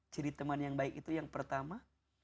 ciri teman yang baik itu yang pertama